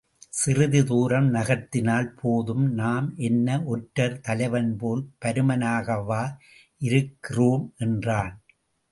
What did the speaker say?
சிறிது தூரம் நகர்த்தினால் போதும் நாம் என்ன ஒற்றர் தலைவன் போல் பருமனாகவா இருக்கிறோம்? என்றான்.